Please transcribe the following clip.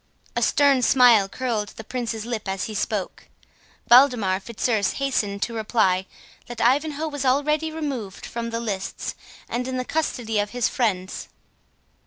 A stern smile curled the Prince's lip as he spoke. Waldemar Fitzurse hastened to reply, that Ivanhoe was already removed from the lists, and in the custody of his friends.